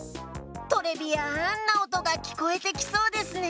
トレビアンなおとがきこえてきそうですね。